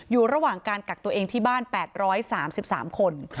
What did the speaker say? อยู่ระหว่างการกักตัวเองที่บ้าน๘๓๓คน